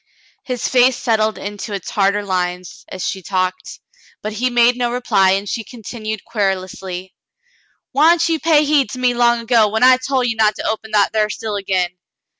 His face settled into its harder lines as she talked, but he made no reply, and she continued querulously : "Why'n't you pay heed to me long ago, when I tol' ye not to open that thar still again